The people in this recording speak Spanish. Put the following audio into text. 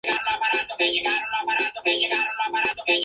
En su memoria se levanta un busto en el Parque Central de Artemisa.